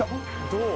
どう？